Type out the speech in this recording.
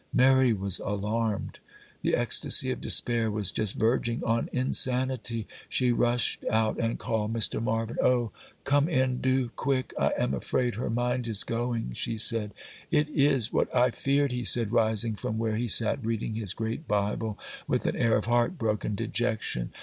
Mary was alarmed,—the ecstasy of despair was just verging on insanity. She rushed out and called Mr. Marvyn. 'Oh! come in! do! quick!—I'm afraid her mind is going!' she said. 'It is what I feared,' he said, rising from where he sat reading his great Bible, with an air of heartbroken dejection.